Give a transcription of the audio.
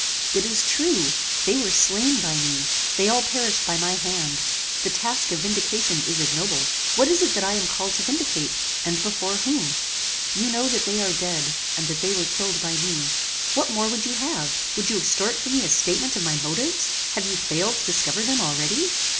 "It is true, they were slain by me; they all perished by my hand. The task of vindication is ignoble. What is it that I am called to vindicate? and before whom? "You know that they are dead, and that they were killed by me. What more would you have? Would you extort from me a statement of my motives? Have you failed to discover them already?